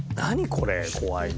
これ怖いな。